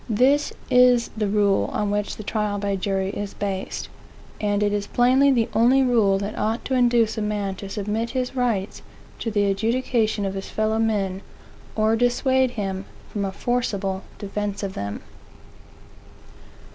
This is the rule on which the trial by jury is based. And it is plainly the only rule that ought to induce a man to submit his rights to the adjudication of his fellow men, or dissuade him from a forcible defence of them.